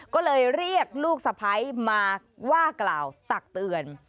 ก็เลยเรียกลูกสะพ้ายมาว่ากล่าวตักเตือน